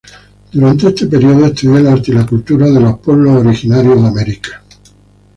Durante este período estudió el arte y la cultura de los indios americanos.